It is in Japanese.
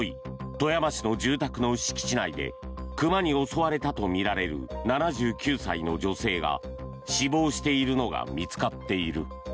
富山市の住宅の敷地内で熊に襲われたとみられる７９歳の女性が死亡しているのが見つかっている。